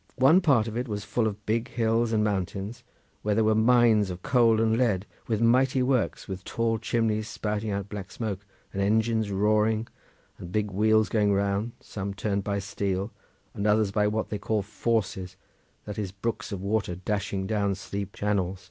One part of it was full of big hills and mountains, where there were mines of coal and lead with mighty works with tall chimneys spouting out black smoke, and engines roaring and big wheels going round, some turned by steam, and others by what they called forces, that is brooks of water dashing down steep channels.